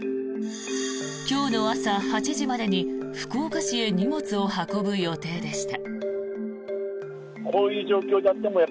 今日の朝８時までに福岡市へ荷物を運ぶ予定でした。